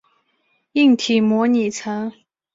硬体模拟层。